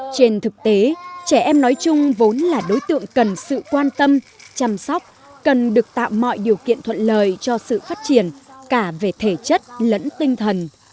trên thực tế trẻ em nói chung vốn là đối tượng cần sự quan tâm chăm sóc cần được tạo mọi điều kiện thuận lợi cho sự phát triển cả về thể chất lẫn tinh thần